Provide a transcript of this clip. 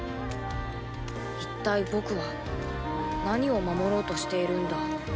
一体僕は何を守ろうとしているんだ？